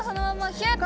ヒュッて！